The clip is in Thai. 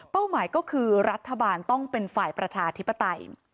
หมายก็คือรัฐบาลต้องเป็นฝ่ายประชาธิปไตย